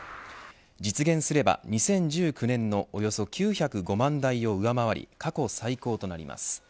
実現すれば、２０１９年のおよそ９０５万台を上回り過去最高となります。